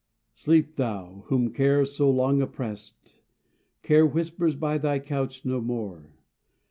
SLEEP, thou, whom Care so long oppressed. Care whispers by thy couch no more.